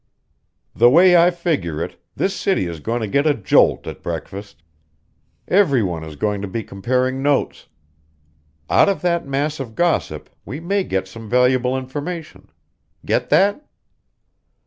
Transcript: The way I figure it, this city is going to get a jolt at breakfast. Every one is going to be comparing notes. Out of that mass of gossip we may get some valuable information. Get that?"